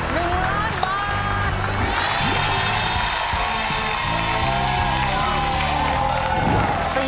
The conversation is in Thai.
๑ล้านบาท